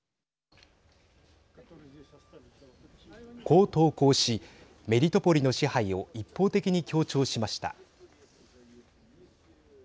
こう投稿しメリトポリの支配を一方的に強調しました。